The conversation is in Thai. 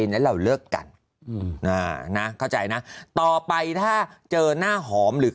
นั้นเราเลิกกันอืมอ่านะเข้าใจนะต่อไปถ้าเจอหน้าหอมหรือ